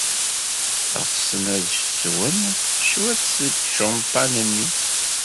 Ɣsen ad swen cwiṭ seg ucampan-nni.